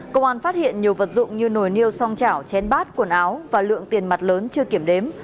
công an phát hiện nhiều vật dụng như nồiêu song chảo chén bát quần áo và lượng tiền mặt lớn chưa kiểm đếm